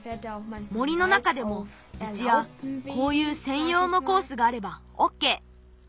森の中でもみちやこういうせんようのコースがあればオッケー。